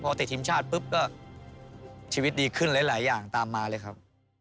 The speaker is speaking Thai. พอติดทีมชาติปุ๊บก็ชีวิตดีขึ้นหลายอย่างตามมาเลยครับ